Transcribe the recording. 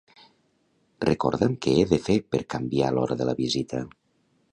Recorda'm que he de fer per canviar l'hora de la visita.